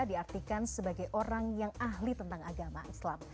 diartikan sebagai orang yang ahli tentang agama islam